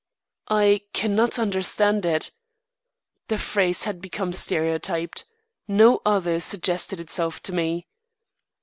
"I cannot understand it." The phrase had become stereotyped. No other suggested itself to me.